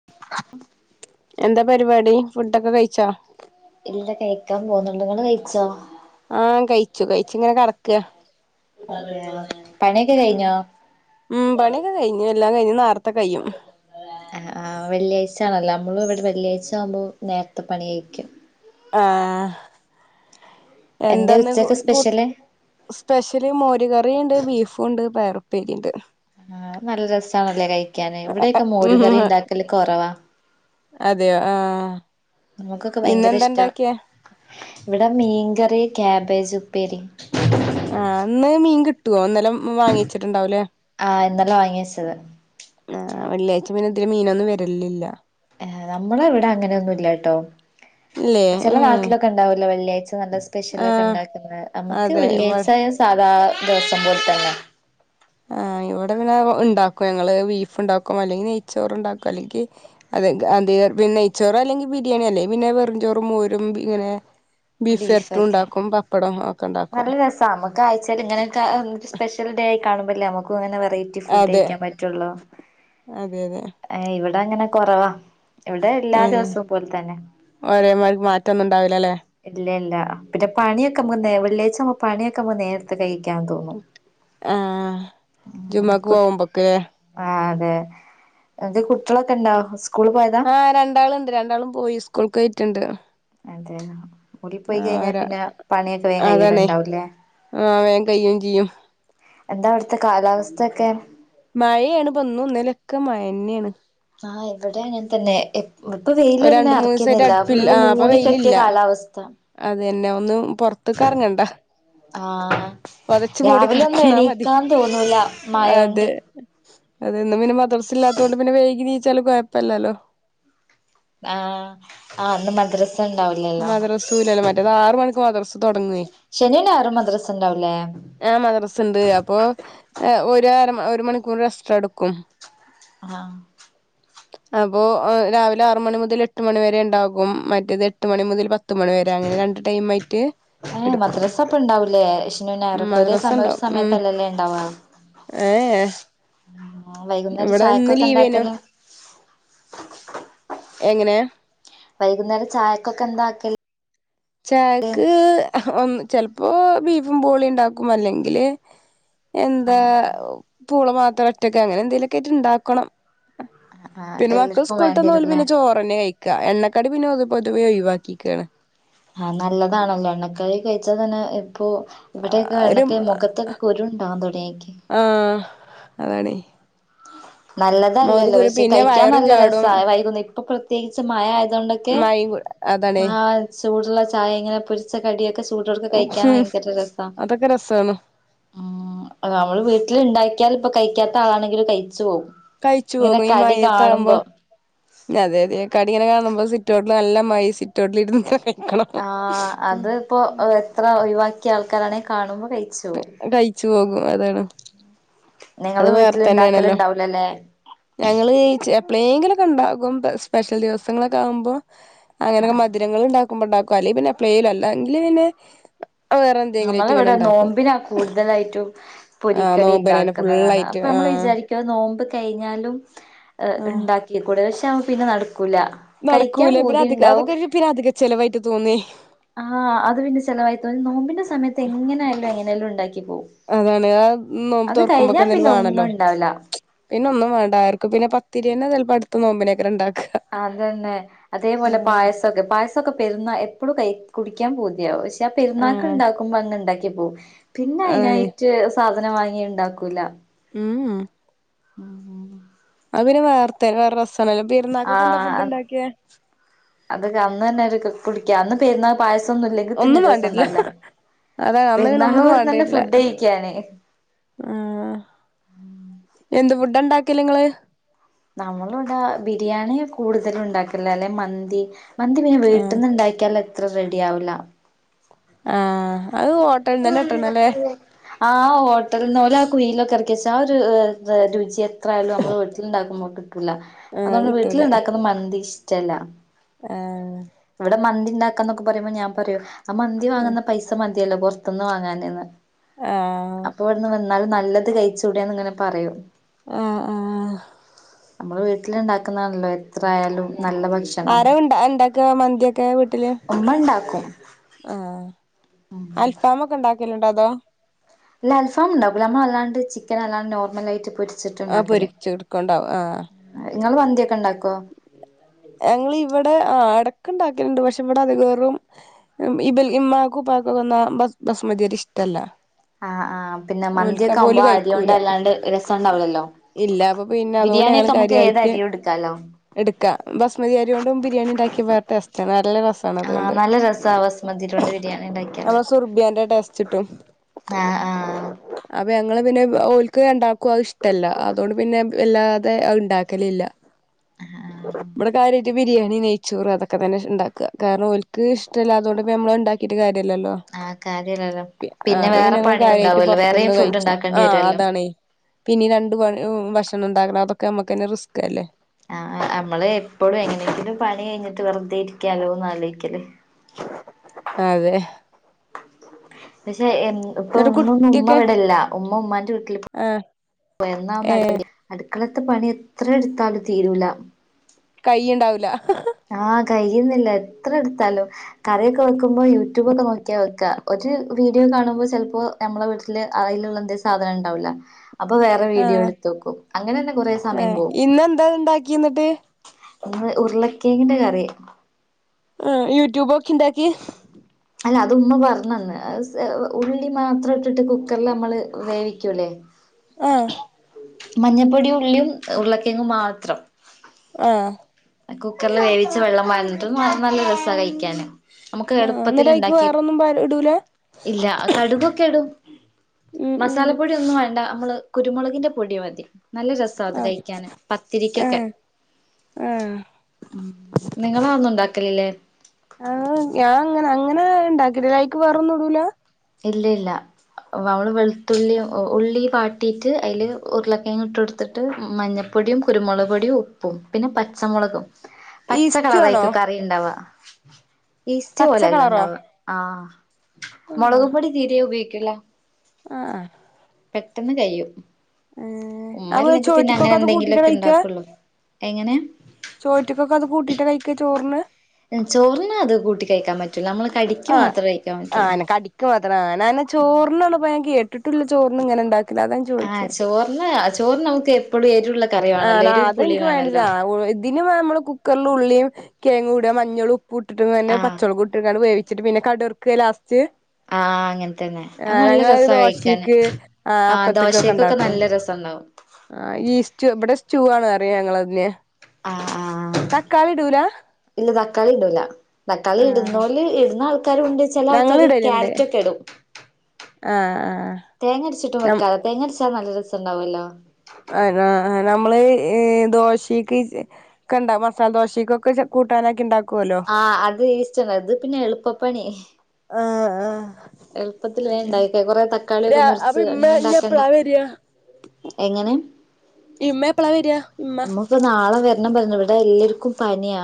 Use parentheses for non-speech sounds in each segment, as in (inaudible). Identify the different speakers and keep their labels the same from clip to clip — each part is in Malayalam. Speaker 1: (inaudible)
Speaker 2: എന്താ പരിപാടി ഫുഡൊക്കെ കഴിച്ചോ?
Speaker 1: ഇല്ല. കഴിക്കാൻ പോന്നേള്ളു ഇങ്ങള് കയിച്ചോ?
Speaker 2: ആഹ് കയിച്ചു. കയിച്ങ്ങനെ കെടക്കാ.
Speaker 1: പറയാ
Speaker 2: ഉം പണിയൊക്കെ കയിഞ്ഞു. എല്ലാം കഴിഞ്ഞ് നേറത്തെ കയിയും.
Speaker 1: അ ആഹ് വെള്ളിയാഴ്ച ആണല്ലാ. നമ്മളും ഇവിടെ വെള്ളിയാഴ്ച ആവുമ്പോ നേരത്തെ പണി കയിക്കും.
Speaker 2: ആഹ്
Speaker 1: എന്തേ
Speaker 2: എന്താ ഇന്ന് കൂ
Speaker 1: ഉച്ചക്ക്
Speaker 2: കൂട്ട്
Speaker 1: സ്പെഷ്യല്
Speaker 2: സ്പെഷ്യല് മോര് കറിണ്ട് ബീഫുണ്ട് പയറുപ്പേരിണ്ട്.
Speaker 1: ആഹ് നല്ല രസാണല്ലേ കഴിക്കാന്. ഇവിടേക്കെ മോരു
Speaker 2: ഉം
Speaker 1: കറി ഉണ്ടാക്കല് കൊറവാ.
Speaker 2: അതെയോ ആഹ്
Speaker 1: നമുക്കൊക്കെ ഭയങ്കര
Speaker 2: ഇന്നെന്താ
Speaker 1: ഇഷ്ടാ.
Speaker 2: ഇണ്ടാക്കിയേ
Speaker 1: ഇവിടെ മീൻകറി ക്യാബേജ് ഉപ്പേരി.
Speaker 2: ആഹ് ഇന്ന് മീൻ കിട്ടുവോ? ഇന്നലം വാങ്ങിച്ചിട്ടുണ്ടാവുലേ?
Speaker 1: ആഹ് ഇന്നലെ വാങ്ങി വെച്ചത്.
Speaker 2: ആഹ് വെള്ളിയാഴ്ച പിന്നെ ഇതിലെ മീനൊന്നും വരലില്ല.
Speaker 1: ഏഹ് നമ്മളവിടെ അങ്ങനെയൊന്നുല്ലട്ടോ
Speaker 2: ഇല്ലേ
Speaker 1: ചെല നാട്ടി
Speaker 2: ഏഹ്
Speaker 1: ട്ടിലൊക്കെ ഉണ്ടാവൂല്ലോ വെള്ളിയാഴ്ച നല്ല സ്പെഷ്യല് ഒക്കെ
Speaker 2: ആഹ്
Speaker 1: ഉണ്ടാക്കുന്ന നമ്മക്ക്
Speaker 2: അതെ ഇവ
Speaker 1: വെള്ളിയാഴ്ചാ സ് സാധാ ദിവസം പോൽത്തന്നെ.
Speaker 2: ആഹ് ഇവിടെ പിന്നെ ഉണ്ടാക്കും ഞങ്ങള് ബീഫ് ഉണ്ടാക്കും അല്ലെങ്കി നെയ്ച്ചോറ് ഉണ്ടാക്കും അല്ലെങ്കി അതെങ്ക് അതെയൊർ പിൻ (unintelligible) നെയ്ച്ചോറോ അല്ലെങ്കി ബിരിയാണി അല്ലേ പിന്നെ വെറും ചോറും മോരും ഇങ്ങനെ ബീഫ് എരട്ടും
Speaker 1: ബീഫൊക്കെ
Speaker 2: ഉണ്ടാക്കും പപ്പടം ഒക്കെ ഉണ്ടാക്കും.
Speaker 1: നമുക്കും ആഴ്ച്ചേല് ഇങ്ങനെക്കെ ഒര് സ്പെഷ്യൽ ഡേ ആയി കാണുമല്ലേ നമുക്കും അങ്ങനെ വെറയ് റ്റി ഫുഡ്
Speaker 2: അതെ
Speaker 1: കഴിക്കാൻ പറ്റൊള്ളു
Speaker 2: അതെ അതെ
Speaker 1: ഏയ് ഇവിടെ അങ്ങനെ കൊറവാ. ഇവിടെ എല്ലാ ദിവസവും പോലെ തന്നെ.
Speaker 2: ഒരേമാരി മാറ്റൊന്നും ഉണ്ടാവൂലാല്ലേ.
Speaker 1: ഇല്ല ഇല്ല പിന്നെ പണിയൊക്കെ നമ്മു നേ വെള്ളിയാഴ്ച നമു പണിയൊക്കെ മു നേര ത്തെ കഴിക്കാൻ തോ
Speaker 2: ആഹ് ജുമാക്ക് പോവുമ്പക്ക്
Speaker 1: ആഹ് അതെ. എന്റെ കുട്ടിയളൊക്കെ ഉണ്ടാവും സ്
Speaker 2: ആഹ് രണ്ടാളുണ്ട് രണ്ടാളും പോയി സ്കൂൾക്ക് പോയിട്ടുണ്ട്
Speaker 1: അതെ സ്ക്കൂളി പോയി
Speaker 2: ആഹ്
Speaker 1: കഴിഞ്ഞാ
Speaker 2: ഒരാ
Speaker 1: പിന്നെ പണിയൊക്കെ വേം
Speaker 2: അതാണേ
Speaker 1: കഴിയലുണ്ടാവുല്ലേ
Speaker 2: ആഹ് വേം കയ്യും ഇഞ്ചിയും
Speaker 1: എന്താ അവിടുത്തെ കാലാവസ്ഥൊക്കെ
Speaker 2: മഴയാണ് ഇപ്പം ഇന്നും ഇന്നലൊക്കെ മഴന്നെയാണ്
Speaker 1: ആഹ് ഇവിടെയും അങ്ങനെ തന്നെ എ ഇപ്പം
Speaker 2: ഇപ്പൊ
Speaker 1: വെയിലെല്ലാം
Speaker 2: രണ്ട് മൂന്ന് ദിവസായിട്ട്
Speaker 1: അറക്കുന്നില്ല
Speaker 2: അടുപ്പില്ല
Speaker 1: ഫുള്ള്
Speaker 2: ആ അപ്പൊ
Speaker 1: മൂടി കെട്ടിയ
Speaker 2: വെയിലില്ല
Speaker 1: കാലാവസ്ഥ
Speaker 2: അതന്നെ ഒന്നും പൊറത്ത്ക്ക് എറങ്ങണ്ട
Speaker 1: ആഹ് രാവിലെ ഒന്നും
Speaker 2: കിടന്നാ
Speaker 1: എണീക്കാൻ തോന്നൂല മയൊണ്ട്
Speaker 2: അതന്നെ പിന്നെ മദ്റസ ഇല്ലാത്തോണ്ട് പിന്നെ വൈകി എനീച്ചാലും കൊഴപ്പം ഇല്ലല്ലോ
Speaker 1: ആഹ് ആ ഇന്ന് മദ്രസ് ഉണ്ടാവില്ലേ
Speaker 2: മദ്രസൂ ഇല്ലല്ലേ മറ്റേത് ആറ് മണിക്ക് മദ്രസ്
Speaker 1: ശനിയും ഞായറും മദ്രസ ഉണ്ടാവൂലേ
Speaker 2: ആ മദ്രസിണ്ട് അപ്പൊ അ ഒര്അര ഒരു മണിക്കൂർ എസ്ട്രായെടുക്കും
Speaker 1: അതെയാ
Speaker 2: അപ്പോ എ രാവിലെ ആറ് മണി മുതല് എട്ട് മണി വരെ ഇണ്ടാകും മറ്റേതെ ട്ട് മണി മുതൽ പത്ത് മണി വരെ അങ്ങനെ രണ്ട് ടൈമായിട്ട് എടുക്കും
Speaker 1: പ്പണ്ടാവൂലേ ശനിയും ഞായറൊക്കെ ഒരേ
Speaker 2: മദ്രസ
Speaker 1: സമയ ഒരു
Speaker 2: ഉണ്ടാവും ഉം
Speaker 1: സമയത്തല്ലല്ലേ ഇണ്ടാവാ
Speaker 2: ഏ
Speaker 1: ആ വൈകുന്നേരം
Speaker 2: ഇവിടെ ഇന്ന് ലീവേനു
Speaker 1: ചായക്കൊക്കെന്താക്ക്ന്ന്
Speaker 2: എങ്ങനെ
Speaker 1: വൈകുന്നേരം ചായക്കൊക്കെന്താക്കല്
Speaker 2: ചായക്ക് ചെലപ്പോ ബീഫും പൂളിയും ഉണ്ടാക്കും അല്ലെങ്കില് എന്താ പൂള മാത്രം ഒറ്റക്ക് അങ്ങനെ എന്തേലും ഒക്കെ ആയിട്ട് ഇണ്ടാക്കണം
Speaker 1: ആഹ്
Speaker 2: പിന്നെ മക്കള്
Speaker 1: എല്ലാർക്കും
Speaker 2: സ്കൂളിട്ട്ന്ന ഓല
Speaker 1: വേണ്ടിവരൂല്ലേ
Speaker 2: പിന്നെ ചോറന്നെ കഴിക്ക എണ്ണക്കാടി പിന്നെ ഓല് പൊതുവെ ഒഴിവാക്കിക്കയാണ്
Speaker 1: ഹ നല്ലതാണല്ലോ എണ്ണക്കടികഴിച്ചാ തന്നെ ഇപ്പൊ
Speaker 2: ഒരു
Speaker 1: ഇവിടെയൊക്കെയെണ്ണക്ക് മുഖത്തൊക്കെ കുരുണ്ടാവാൻ തൊടങ്ങിയ്ക്ക്
Speaker 2: ആ ഹ് അതാണേയ്
Speaker 1: നല്ലതല്ലല്ലോ പഷേ
Speaker 2: പിന്നെ
Speaker 1: കഴയിക്കാൻ
Speaker 2: വയറും
Speaker 1: നല്ല
Speaker 2: ചാടും
Speaker 1: രസാ വൈകുന്ന ഇപ്പൊ പ്രത്യേകിച്ച് മയയായതോണ്ടൊക്കെ
Speaker 2: മൈ (unintelligible) അത
Speaker 1: ആ ചൂടുള്ള ചായ ഇങ്ങനെ പൊരിച്ച കടിയൊക്കെ ചൂടോർക്ക്
Speaker 2: ഉം
Speaker 1: കയിക്കാൻ ഭയങ്കര രസ
Speaker 2: അതൊക്കെ രസാണ്
Speaker 1: ആ നമ്മള് വീട്ടിലിണ്ടാക്കിയാലിപ്പ കയ്ക്കാത്താളാണെങ്കിലും കയ്ച്ച് പോകും
Speaker 2: കഴിച്ചു
Speaker 1: ഇങ്ങനെ കടി കാണുമ്പോ
Speaker 2: അതെയതെ കടിങ്ങനെ കാണുമ്പോ സിറ്റോട്ടിൽ നല്ല മയ സിറ്റോട്ടിലിര്
Speaker 1: ആ അത്പ്പോ എ എത്ര ഒഴിവാക്കിയ ആൾക്കാരാണെ കാണുമ്പോ കയ്ച്ചു പോവും
Speaker 2: കയ്ച്ച് പോകും അതാണ് അത്
Speaker 1: നിങ്ങള്
Speaker 2: വേറെ തന്നെയാണല്ലോ
Speaker 1: വീട്ടിലിണ്ടാക്കല്ണ്ടാവൂലല്ലേ
Speaker 2: ഞങ്ങള് ചെ എപ്പളേങ്കിലൊക്കെയിണ്ടാക്കും പ സ്പെഷ്യൽ ദിവസങ്ങളൊക്കെ ആഉമ്പോ
Speaker 1: ആഹ്
Speaker 2: അങ്ങനെയൊക്കെ മ ധരങ്ങളിണ്ടാക്കുമ്പോ ഇണ്ടാക്കും അല്ലെപിന്നെ എപ്ലേലും അല്ലെങ്കില് പിന്നെ വേറെ എന്തെങ്കിലും ആയിട്ട് ഇങ്ങനെ
Speaker 1: നമ്മളിവിടെ
Speaker 2: ഉണ്ടാക്കും
Speaker 1: നോമ്പിനാ കൂടുതലായിട്ടും
Speaker 2: ആ
Speaker 1: പൊരിക്കടി
Speaker 2: നോമ്പനന്നെ
Speaker 1: ഉണ്ടാക്കുന്നതാണ്
Speaker 2: ഫുള്ളായിട്ട് ആ
Speaker 1: അപ്പമ്മള് വിചാരി ക്ക നോമ്പ് കയ്ഞ്ഞാലും എ
Speaker 2: ആ
Speaker 1: ഇണ്ടാക്കിക്കൂടെ പഷേ യത്പിന്നെ നടക്കൂല കഴിക്കാൻ
Speaker 2: നടക്കൂല പിന്നെ
Speaker 1: പൂതി
Speaker 2: അധിക
Speaker 1: ഉണ്ടാവും
Speaker 2: അതൊക്കെ ഒരു പിന്നധിക ചെലവായിട്ട് തോന്നി
Speaker 1: ആഹ്അത് പിന്നെ ചെലവായി തോന്നി നോമ്പിന്റെ സമയത്ത് എങ്ങനെയാലും എങ്ങനെല്ലോ ഉണ്ടാക്കി പോകും
Speaker 2: അതാണ് ആ നോമ്പ്
Speaker 1: അത് കഴിഞ്ഞാ
Speaker 2: തൊറക്കുമ്പൊക്കെന്തേലും
Speaker 1: പിന്നെ ഒന്നും
Speaker 2: വേണല്ലോ
Speaker 1: ഉണ്ടാവില്ല
Speaker 2: മ്ച്ച് പിന്നൊന്നും വേണ്ടാർക്കും പിന്നെ പത്തിരിയന്നെ ചെലപ്പടുത്ത നോമ്പിനൊക്കെര് ഇണ്ടാക്ക
Speaker 1: അതന്നെ അതേപോലെ പായസൊക്കെ പായസൊക്കെ പെരുന്നാ എപ്പോഴും കൈ കുടിക്കാൻ പൂതിയാവും പക്ഷേ
Speaker 2: ആ
Speaker 1: പെരുന്നാക്ക്ണ്ടാക്കുമ്പോ അങ്ങ് ഇണ്ടാക്കിപ്പോവും പിന്നെ
Speaker 2: അതാണ്
Speaker 1: അയിനായിട്ട് ട്ട് സാധനം വാങ്ങി ഇണ്ടാക്കൂല
Speaker 2: ഉം ഉം
Speaker 1: മ്മ് മ്മ്
Speaker 2: അത് പിന്നെ വേറ്ത്തെ വേറെ രസാണല്ലോ പെര്ന്നാക്കെക്കെന്താ
Speaker 1: ആഹ്
Speaker 2: ഫുഡ്ണ്ടാക്ക്യേ
Speaker 1: അതൊക്കെ അന്നെന്നെ ഒര് കു കുടിക്കാ അന്ന് പെരുന്നാ പായസൊന്നുല്ലെങ്കിതന്നെ
Speaker 2: ഒന്നും
Speaker 1: ഒര്
Speaker 2: വേണ്ടിട്ടില്ല
Speaker 1: രസണ്ടാവില്ല
Speaker 2: അതാ അന്ന് പിന്നെ
Speaker 1: പെരുന്നാള്
Speaker 2: ഒന്നും
Speaker 1: പറിന്നെന്നെ
Speaker 2: വേണ്ടിട്ടില്ല
Speaker 1: ഫുഡ്ഡയിക്കാന്
Speaker 2: ആഹ് എന്ത് ഫുഡാണ്ടാക്കല് ഇങ്ങള്
Speaker 1: നമ്മള് ഇവടെ ബിരിയാണി കൂടുതലും ഇണ്ടാക്കല് അല്ലെ മന്തി മന്തി പിന്നെ
Speaker 2: ആഹ്
Speaker 1: വീട്ട്ന്ന് ഇണ്ടാക്കിയാലത്ര റെഡിയാവൂല
Speaker 2: ആഹ് അത് ഹോട്ടല്ന്നന്നെട്ടണല്ലേ
Speaker 1: ആഹ് ഹോട്ടല്ന്ന് ഓല് ആ കുയീലൊക്കെ എറക്കിച്ചാ ആ ഒരു രുചി എത്രേയാലും നമ്മള് വീട്ടില്ണ്ടാക്കുമ്പോ കിട്ടൂല
Speaker 2: ആഹ് അത്
Speaker 1: അതോണ്ട്
Speaker 2: കിട്ടൂല
Speaker 1: വീട്ടിലിണ്ടാക്ക്ന്ന മന്തിഷ്ട്ടല്ല
Speaker 2: ഏഹ്
Speaker 1: ഇവടെ മന്തിണ്ടാക്കാന്നൊക്കുമ്പോറിമ്പോ ഞാൻ പറയൂ ആ മന്തി വാങ്ങ്ന്ന പൈസ മതിയല്ലോ പൊറത്ത്ന്ന് വാങ്ങാനെന്ന്
Speaker 2: ആഹ്
Speaker 1: അപ്പൊ ഇവട്ന്ന് വന്നാല് നല്ലത് കഴിച്ചൂടേന്ന്ങ്ങനെ പറയും
Speaker 2: ഏഹ് ആഹ്
Speaker 1: അമ്മള് വീട്ടില്ണ്ടാന്നാണല്ലോ എത്രയാലും നല്ല ഭക്ഷ
Speaker 2: ആരാ ഇണ്ട ഇണ്ടാക്ക മന്തിയൊക്കെ വീട്ട്ല്
Speaker 1: ഉമ്മ ഉണ്ടാക്കും
Speaker 2: ആഹ് അൽഫാമൊക്കെ ഇണ്ടാക്കല്ണ്ടോ അതോ
Speaker 1: ഇല്ല അൽഫാമ്ണ്ടാക്കൂല നമ്മള് അല്ലാണ്ട് ചിക്കനല്ലാണ്ട് നോർമലായിറ്റ് പൊരി
Speaker 2: ആഹ്
Speaker 1: ച്ചിട്ട്ണ്ടാക്കല്
Speaker 2: പൊരിച്ചെടുക്കണ്ടാവും ആഹ്
Speaker 1: നിങ്ങള് മന്തിയൊക്കെണ്ടാക്കൊ
Speaker 2: ഞങ്ങള് ഇവടെ എടക്ക് ഇണ്ടാക്കല്ണ്ട് പക്ഷെ ഇവടെ അധികേറും ഇബല് ഇമ്മാക്കും ഇപ്പക്കൊന്നും ആ ബസ്‌മതി അരി ഇഷ്ട്ടല്ല
Speaker 1: ആഹ് ആഹ് പിന്നെ മന്തിയൊക്കാവുമ്പോ ആ
Speaker 2: കഴിക്കൂല
Speaker 1: അരിയോണ്ടല്ലാണ്ട് രസണ്ടാവൂലല്ലോ
Speaker 2: ഇല്ല അപ്പൊ പിന്നെ
Speaker 1: ബിരിയാണ്യോക്കമ്മക്ക് ഏതരിയും ഇട്ക്കാലോ
Speaker 2: ഇട്ക്കാ ബസ്മതിര്യോണ്ടും ബിരിയാണിണ്ടാക്കിയാ വേറെ ടേസ്റ്റാ നല്ല രസ്‌
Speaker 1: ആഹ് നല്ല രസാ ബസ്മതിര്യോണ്ട് ബിരിയാണിണ്ടാക്ക്യാല്
Speaker 2: നമ്മളെ സുർബിയാന്റെ ടേസ്റ്റ് കിട്ടും
Speaker 1: ആഹ് ആഹ്
Speaker 2: അപ്പൊ ഞങ്ങള് പിന്നെ ഓല്ക്ക് രണ്ടാൾക്കും അത് ഇഷ്ട്ടല്ല അതോണ്ട് പിന്നെ വല്ലാതെ അത് ഇണ്ടാക്കലില്ല ഇബടെ കാര്യായിട്ട് ബിരിയാണി നെയ്ച്ചോറ് അതൊക്കെ തന്നെ ഇണ്ടാക്ക കാരണം ഓല്ക്ക് ഇഷ്ട്ടല്ലാത്തൊണ്ട് നമ്മള്ണ്ടാ ക്കീട്ട് കാര്യലല്ലോ
Speaker 1: ആഹ് കാര്യല്ലല്ലോ
Speaker 2: ആഹ്
Speaker 1: പിന്നെ
Speaker 2: അപ്പൊപ്പിന്നെ
Speaker 1: വേറെ
Speaker 2: ഞങ്ങള്
Speaker 1: പണി
Speaker 2: കാര്യായിട്ട്
Speaker 1: ഉണ്ടാവുമല്ലോ
Speaker 2: പൊറത്ത്ന്ന്
Speaker 1: വേറെയും ഫുഡ്
Speaker 2: കഴിച്ചു
Speaker 1: ഉണ്ടാക്കേണ്ടി
Speaker 2: ആഹ്
Speaker 1: വരുമല്ലോ
Speaker 2: അതാണേ പിന്നിം രണ്ട് പ ഭക്ഷണം ഇണ്ടാക്കണം അതൊക്കെ നമ്മക്കെന്നെ റിസ്ക്കല്ലേ
Speaker 1: ആഹ് ആഹ് നമ്മള് എപ്പളും എങ്ങനെങ്കിലും പണി കഴിഞ്ഞിട്ട് വെറ്തെ ഇരിക്കാലോന്ന് ആലോയിക്കല്
Speaker 2: അതെ
Speaker 1: പക്ഷെ എന്ന് ഇപ്പൊ
Speaker 2: എന്നിട്ട്
Speaker 1: ഇന്നൊന്നും
Speaker 2: കുട്ടിയൊക്കെ
Speaker 1: ഉമ്മവടെല്ല ഉമ്മ ഉമ്മാന്റെ വീട്ടില് പോ
Speaker 2: ആഹ്
Speaker 1: പോയെ ഇന്നാ ഒന്ന്
Speaker 2: ഏഹ്
Speaker 1: അട്ക്കളെത്തേ പണി എത്രട്ത്താലും തീരൂല്ല
Speaker 2: കയ്യ്ണ്ടാവൂല
Speaker 1: ആഹ് കഴിയ്ന്നില്ല എത്രട്ത്താലും കറിയൊക്കെ വെക്ക്മ്പോ യൂട്യൂബൊക്കെ നോക്ക്യാ വെക്കാ ഒരു വീഡിയോ കാണുമ്പോ ചെലപ്പോ നമ്മളെ വീട്ടില് അയില്ള്ള എന്തേലും സാധനണ്ടാവൂല അപ്പൊ വേറെ വീഡിയോ
Speaker 2: ആഹ്
Speaker 1: എട്ത്തോക്കും അങ്ങനെന്നെ കൊറെ സമയം
Speaker 2: ആഹ്
Speaker 1: പോവും
Speaker 2: ഇന്നെന്താ ഇണ്ടാക്കി എന്നിട്ട്
Speaker 1: ഒന്ന് ഉർളക്കേങ്ങിന്റെ കറി
Speaker 2: ആഹ് യൂട്യൂബൊക്കി ഇണ്ടാക്കി?
Speaker 1: അല്ല അത് ഉമ്മ പറഞ്ഞെന്ന് ഉള്ളി മാത്രം ഇട്ട്ട്ട് കുക്കറ്ല് നമ്മള് വേവിക്കൂലേ
Speaker 2: ആഹ്
Speaker 1: മഞ്ഞപ്പൊടിം ഉള്ളീം ഉർളക്കേങ്ങും മാത്രം
Speaker 2: ആഹ്
Speaker 1: കുക്കറ്ല് വേവിച്ച് വെള്ളം പാറ്ന്ന്ട്ട് അത് നല്ല രസാ കഴിക്കാന് നമുക്ക്
Speaker 2: ആഹ്
Speaker 1: എള്പ്പത്തില്
Speaker 2: എന്നിട്ട് അയിക്ക്
Speaker 1: ഇണ്ടാക്കി
Speaker 2: വേറൊന്നും പാ ഇടൂല
Speaker 1: ഇല്ല കടുക് കടു
Speaker 2: ഉം ഉം
Speaker 1: മസാലപ്പൊടി ഒന്നും വേണ്ട നമ്മള് കുരുമുളകിന്റെ പൊടി മതി നല്ല രസമാ അത്
Speaker 2: ആഹ്
Speaker 1: കഴിക്കാൻ പത്തിരിക്കൊക്കെ
Speaker 2: ആഹ് ആഹ്
Speaker 1: ഉം നിങ്ങള ഒന്നും ഉണ്ടാക്കലില്ലേ
Speaker 2: ആഹ് ഞാൻ അങ്ങനെ അങ്ങനെ ഇണ്ടാക്കാടിലായിക്ക് വേറൊന്നിടൂല്ല
Speaker 1: ഇല്ല ഇല്ല അവള് വെളുത്തുള്ളി ഉള്ളി വാട്ടിട്ട് അതില് ഉരുളക്കിഴങ്ങ് ഇട്ട്കൊടു കൊടുത്തിട്ട് മഞ്ഞൾപ്പൊടിയും കുരുമുളക് പൊടിയും ഉപ്പും പിന്നെ പച്ചമുളകും പച്ച
Speaker 2: ഈസ്റ്റു ആണോ
Speaker 1: കളറായിക്കും കറി ഉണ്ടാവുക പേസ്റ്റ്
Speaker 2: പച്ച
Speaker 1: പോലെ അല്ലാ
Speaker 2: കളറോ
Speaker 1: ഇണ്ടാവുക ആഹ് മുളക് പൊടി തീരെ ഉപയോഗിക്കില്ല
Speaker 2: ആഹ്ആഹ്
Speaker 1: പെട്ടെന്ന് കഴിയും
Speaker 2: ഏഹ്
Speaker 1: ഉമ്മ
Speaker 2: അപ്പൊ
Speaker 1: അല്ലെങ്കി പിന്നെ അങ്ങനെ
Speaker 2: ചോറ്റ്ക്കൊക്കെ അത് കൂട്ടിട്ടാ
Speaker 1: എന്തെങ്കിലുമൊക്കെ ഉണ്ടാക്കുള്ളൂ എങ്ങനെ
Speaker 2: ചോറ്റുക്കൊക്കെ അത് കൂട്ടിട്ട് കഴിക്കുവോ ചോറിന്
Speaker 1: ചോറിന് അത് കൂട്ടി കഴിക്കാൻ പറ്റൂല്ല നമ്മള് കടിക്ക് മാത്രമേ കഴിക്കാൻ പറ്റുള്ളൂ
Speaker 2: മാത്ര ഞാന് ചോറിനുള്ളപ്പം ഞാൻ കേട്ടിട്ടുള്ള ചോറിനും ഇങ്ങനെ ഉണ്ടാക്കില്ല അതാ
Speaker 1: ആഹ്
Speaker 2: ചോയിച്ചേ
Speaker 1: ചോറിന് ചോറി നമുക്ക് എപ്പോഴും ഏരുവള്ള കറിയ-
Speaker 2: ആഹ് ന അതെനിക്ക് വേണ്ടതാ പിന്നെ നമ്മള് കുക്കറിൽ ഉുള്ളിയും കേങ്ങും ഇട മഞ്ഞോൾ ഉപ്പ് ഇട്ട്ന്നെ
Speaker 1: ആഹ്
Speaker 2: പചൊല്ക്കിട്ട് വേവിച്- ച്ചിട്ട് പിന്നെ കടറക്കുക ലാസ്റ്റ്
Speaker 1: ആഹ് അങ്ങനെ തന്നെ അത്
Speaker 2: ആഹ്
Speaker 1: നല്ല
Speaker 2: ഞങ്ങത്
Speaker 1: രസാ കഴിക്കാന്
Speaker 2: ദോശക്ക് ആഹ് അപ്പത്തക്കൊക്കെ
Speaker 1: ദോശക്കൊക്കെ
Speaker 2: ണ്ടാക്കും
Speaker 1: നല്ല രസണ്ടാവും
Speaker 2: ആഹ് ഈ സ്റ്റു ഇവിടെ സ്റ്റൂ ആാണ് അറിയ ഞങ്ങൾതിനെ
Speaker 1: ആഹ് ആഹ്
Speaker 2: തക്കാളി ഇടൂലാ
Speaker 1: ഇല്ല തക്കാളി ഇടൂല്ല തക്കാളി
Speaker 2: ആഹ്
Speaker 1: ഇടുന്നോല് ഇടുന്ന ആൾക്ക് ചിലരുണ്ട് ചില
Speaker 2: ഞങ്ങള്
Speaker 1: ആൾക്കാര്
Speaker 2: ഇടല്ണ്ട്
Speaker 1: ക്യാരറ്റ് ഒക്കെ ഇടും
Speaker 2: ആഹ് ആഹ്
Speaker 1: തേങ്ങരച്ചിട്ടും
Speaker 2: നം
Speaker 1: വെക്കാല തേങ്ങടിച്ചാൽ നല്ല രസം ഉണ്ടാവല്ലോ
Speaker 2: അഹ് ആഹ് അഹ് നമ്മള് ദോശക്ക് ക്കണ്ട മസാല ദോശക്കൊക്കെ കൂട്ടാനൊക്കെ ഉണ്ടാക്കുല്ലോ
Speaker 1: ആഹ് അത് ഇസ്ദ്ൻ ഇത് പിന്നെ എളുപ്പപ്പണി
Speaker 2: ഏഹ് ഏഹ്
Speaker 1: എളുപ്പത്തിൽ വേണ്ടായിക്ക കൊറെ തക്കാളിയക്കെ
Speaker 2: രാ
Speaker 1: മുറിച്ച്
Speaker 2: അപ്പൊ
Speaker 1: ങ്ങനെ
Speaker 2: ഇമ്മ ഇനി
Speaker 1: ണ്ടാക്കണ്ട
Speaker 2: എപ്പളാ വരിക
Speaker 1: എങ്ങനെ?
Speaker 2: ഇമ്മ എപ്പളാ വെര?
Speaker 1: അമ്മ ഇപ്പോ നാളെ വരണം പറഞ്ഞു ഇവിടെ എല്ലാവർക്കും പനിയാ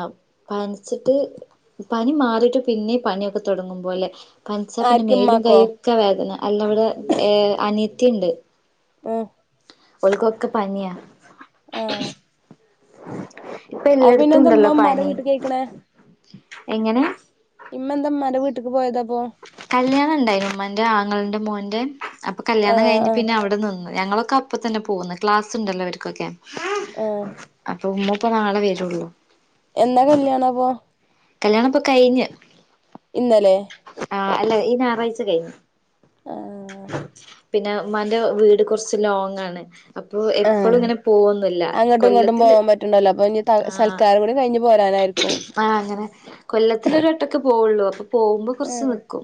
Speaker 1: പനിച്ചിട്ട്- പനി മാറിയിട്ട് പിന്നെ പണിയൊക്കെ തുടങ്ങുമ്പോ അല്ലേ പനിച്ച പിന്നെ
Speaker 2: ആർക്ക്
Speaker 1: മേലും
Speaker 2: ഇമ്മാക്കോ
Speaker 1: കൈയും ക്ക വേദന അല്ല അവിടെ അനിയത്തിണ്ട്
Speaker 2: ഓഹ്
Speaker 1: ഓള്ക്കൊക്കെ പനിയാ
Speaker 2: ആഹ്
Speaker 1: പ്പ
Speaker 2: അപ്പൊ പിന്നെ എന്താ ഇമ്മ
Speaker 1: എല്ലായിടത്തുണ്ടല്ലോ
Speaker 2: ഇമ്മാന്റെ
Speaker 1: പനി
Speaker 2: വീട്ടിക്ക് പോയിക്കണേ
Speaker 1: എങ്ങനെ?
Speaker 2: ഇമ്മെന്താമാന്റെ വീട്ടിക്ക് പോയതപ്പോ?
Speaker 1: കല്യാണം ണ്ടായിരുന്നു മ്മാന്റെ ആങ്ങളന്റെ മോന്റെ അപ്പൊ കല്യാണം
Speaker 2: ആഹ്
Speaker 1: കഴിഞ്ഞു
Speaker 2: ആഹ്
Speaker 1: പിന്നെ അവിടെ നിന്നു ഞങ്ങളൊക്കെ അപ്പ തന്നെ പോന്ന് ക്ലാസ് ണ്ടല്ലോ വർക്കൊക്കെ
Speaker 2: ആഹ്
Speaker 1: അപ്പൊ മ്മ ഇപ്പ നാളെ വരുള്ളൂ
Speaker 2: എന്നാ കല്യാണ അപ്പൊ?
Speaker 1: കല്യാണ പ്പൊ കഴിഞ്
Speaker 2: ഇന്നലെ
Speaker 1: ആഹ് അല്ല ഈ ഞായറാഴ്ച കഴിഞ്ഞു
Speaker 2: ആഹ്
Speaker 1: പിന്നെ മ്മാന്റെ വീട് കുറച്ച് ലോങ് ആണ് അപ്പോ എപ്പോഴും
Speaker 2: ആഹ്
Speaker 1: ഇങ്ങനെ പോകൊന്നില്ല കൊല്ലത്തില്
Speaker 2: ണ്ടല്ലോ അപ്പൊ ഇനി സൽക്കാരം കൂടി കഴിഞ്ഞ് പോരാനായിരിക്കും
Speaker 1: ആ അങ്ങനെ കൊല്ലത്തി ഒരു വട്ടൊക്കെ പോവുള്ളൂ അപ്പൊ പോകുമ്പോ കുറച്ച്
Speaker 2: ഏഹ്
Speaker 1: നിൽക്കും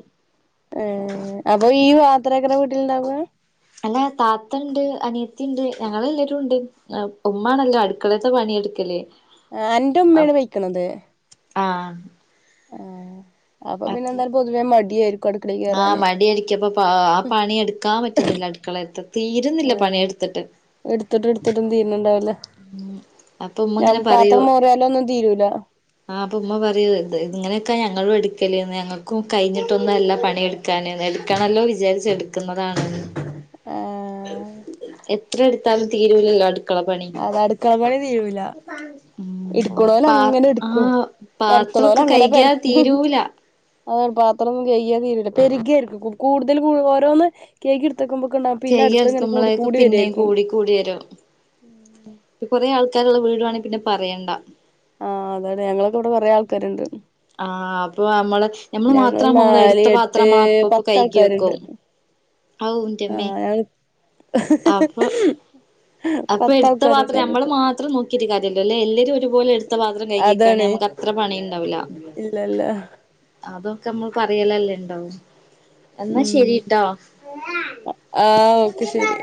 Speaker 2: ഏഹ് അപ്പൊ ഈ മാത്ര വീട്ടിലുണ്ടാവ
Speaker 1: അല്ല താത്ത ണ്ട് അനിയത്തിണ്ട് ഞങ്ങ എല്ലാവരും ഉണ്ട് അപ്പൊ മ്മാണല്ലോ അടുക്കളത്തെ പണിയെടുക്കലേ
Speaker 2: ആ ന്റെ ഉമ്മയാണ് പോയിക്കണത്
Speaker 1: ആഹ്
Speaker 2: ആഹ് അപ്പൊ പിന്നെ എന്തായാലും പൊതുവേ മടിയായിരിക്കും അടുക്കളേ
Speaker 1: ആ
Speaker 2: കേറാന്
Speaker 1: മടിയടിക്കപ്പ ആ പണിയെടുക്കാൻ പറ്റുന്നില്ല അടുക്കളത്ത് തീരുന്നില്ല പണിയെടു- ത്തെട്ട്
Speaker 2: എടുത്തിട്ടും എടുത്തിട്ടും തീന്നുന്നുണ്ടാവില്ല
Speaker 1: ഉം അപ്പൊ ഉമ്മ
Speaker 2: ഞാൻ
Speaker 1: ഇങ്ങനെ
Speaker 2: പാത്രം മോറിയാലോന്നും തീരൂല
Speaker 1: ആപ്പൊ മ്മ പറയൂ ഇങ്ങനെയൊക്കാ ഞങ്ങളും എടുക്കലേന്ന് ഞങ്ങക്കും കഴിഞ്ഞിട്ടൊന്നും അല്ല പണ- എടുക്കാൻ എടുക്കാണല്ലോ വിചാരിച്ച എടുക്കുന്നതാണ്ന്ന്
Speaker 2: ആഹ്
Speaker 1: എത്ര എടുത്താലും തീരുലല്ലോ അടു-
Speaker 2: അത് അടുക്കള പണി തീരൂലാ
Speaker 1: ഉം
Speaker 2: എടുക്കണോ ല്
Speaker 1: പാ
Speaker 2: അങ്ങനെ എടുക്കും
Speaker 1: ആഹ് പാത്രൊക്കെ
Speaker 2: പരത്തോണലങ്ങനെ
Speaker 1: കൈകിയാ
Speaker 2: പരത്തും
Speaker 1: തീരൂല
Speaker 2: അത പാത്രം കഴ്കിയ തീരൂല പെരുകയായിരിക്കും കു കൂടുതൽ ഓരോന്ന് കേഴ്കിയെടു ത്തെ കുമ്പുകുണ്ടാവും പിന്നെ അടുത്തിങ്ങനെ കൂടി കൂടി വെരിയാരിക്കും
Speaker 1: കൂടിവെരും ഇപ്പ കൊറെ ആൾക്കാരൊള്ള വീടുവാണെ പിന്നെ പറയേണ്ട
Speaker 2: ആഹ് അതെ അതെ ഞങ്ങളൊക്കെ ഇവെടെ കൊറെ ആൾക്കാരൊണ്ട്
Speaker 1: ആഹ് അപ്പൊ നമ്മള് നമ്മള് മാത്ര നമ്മള്
Speaker 2: നാല്
Speaker 1: എടുത്ത പാത്രം
Speaker 2: എട്ട്
Speaker 1: നമ്മള അപ്പപ്പ കൈകി
Speaker 2: പത്താൾക്കാരുണ്ട്
Speaker 1: വെക്കും ഔ
Speaker 2: ആ
Speaker 1: ന്റമേ
Speaker 2: ഞങ്ങൾ
Speaker 1: അപ്പ- അപ്പൊ എടുത്ത
Speaker 2: പത്താൾക്കാരുണ്ട്
Speaker 1: പാത്രം നമ്മെള്
Speaker 2: ഞങ്ങക്ക്
Speaker 1: മാത്രം നോക്കിട്ട് കാര്യമില്ല. അല്ലേ എല്ലേരും ഒരുപോലെ എടു ത്ത പാത്രം കഴുകി വെയ്കാണെ
Speaker 2: അതാണ്
Speaker 1: നമുക്കത്ര പണി ഉണ്ടാവില്ല.
Speaker 2: ഇല്ലല്ല
Speaker 1: അതൊക്കെ നമ്മള് പറയലല്ലേ ഉണ്ടാവു. എന്നാ
Speaker 2: ഉം
Speaker 1: ശരിട്ടോ.
Speaker 2: ആ ഓക്കെ ശരി